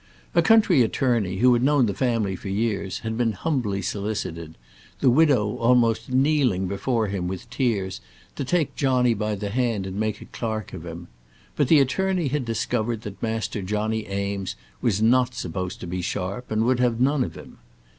A country attorney, who had known the family for years, had been humbly solicited, the widow almost kneeling before him with tears, to take Johnny by the hand and make a clerk of him; but the attorney had discovered that Master Johnny Eames was not supposed to be sharp, and would have none of him.